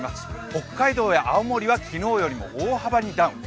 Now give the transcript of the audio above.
北海道や青森は昨日よりも大幅にダウン。